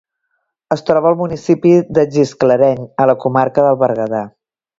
Es troba al municipi de Gisclareny, a la comarca del Berguedà.